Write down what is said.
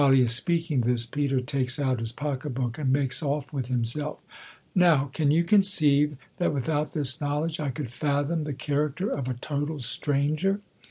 he is speaking tMi, Peicr takes out his pocket hook^ and makes off zvith himself, ] Now, can } ou conceive, that with out this knowledge, I could fathom the character of a total stranger